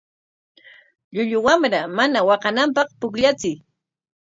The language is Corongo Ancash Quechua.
Llullu wamra mana waqananpaq pukllachiy.